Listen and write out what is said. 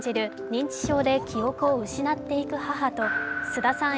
認知症で記憶を失っていく母と菅田さん